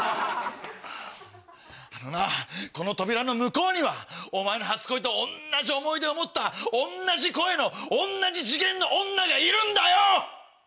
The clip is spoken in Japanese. あのなこの扉の向こうにはお前の初恋と同じ思い出を持った同じ声の同じ次元の女がいるんだよ！